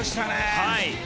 はい。